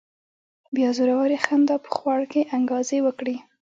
بيا زورورې خندا په خوړ کې انګازې وکړې.